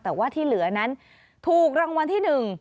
แต่ว่าที่เหลือนั้นถูกรางวัลที่๑